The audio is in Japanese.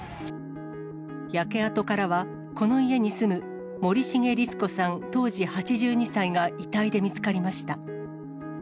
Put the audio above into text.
焼け跡からはこの家に住む森重律子さん、当時８２歳が遺体で見つかりました。